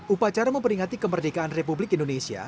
upacara memperingati kemerdekaan republik indonesia